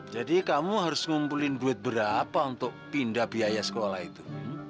jadi kamu harus ngumpulin duit berapa untuk pindah biaya sekolah itu